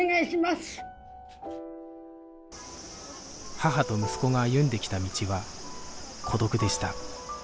母と息子が歩んできた道は孤独でした